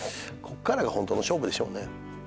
こっからがホントの勝負でしょうね。